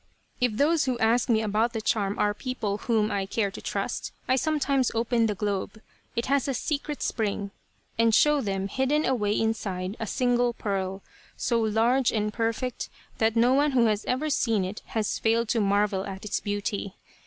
If those who ask me about the charm are people whom I care to trust, I sometimes open the globe it has a secret spring and show them hidden away inside, a single pearl, so large and perfect that no one who has ever seen it has failed to marvel at its beauty.